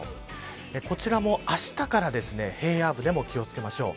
こちらも、あしたから平野部でも気を付けましょう。